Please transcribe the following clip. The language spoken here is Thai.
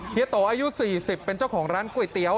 โตอายุ๔๐เป็นเจ้าของร้านก๋วยเตี๋ยว